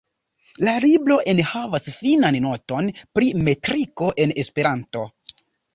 La libro enhavas finan noton pri metriko en Esperanto.